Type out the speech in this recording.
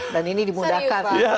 dan ini dimudahkan